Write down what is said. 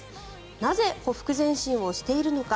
なぜほふく前進をしているのか。